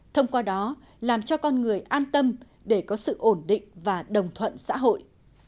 thông qua đó làm cho con người an tâm để có sự ổn định và đồng thuận xã hội